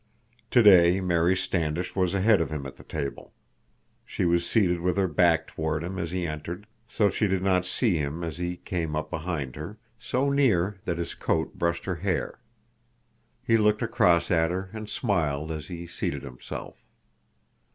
Today Mary Standish was ahead of him at the table. She was seated with her back toward him as he entered, so she did not see him as he came up behind her, so near that his coat brushed her chair. He looked across at her and smiled as he seated himself.